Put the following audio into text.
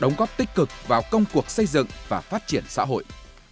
đóng góp tích cực vào công cuộc xây dựng và phát triển xã hội